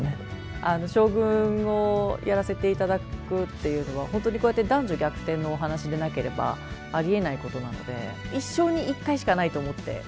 将軍をやらせて頂くっていうのは本当にこうやって男女逆転のお話でなければありえないことなので一生に一回しかないと思ってやってます。